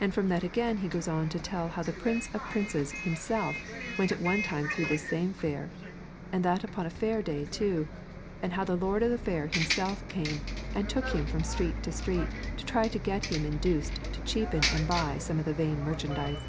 And from that again he goes on to tell how the Prince of princes Himself went at one time through this same fair, and that upon a fair day too, and how the lord of the fair himself came and took Him from street to street to try to get Him induced to cheapen and buy some of the vain merchandise.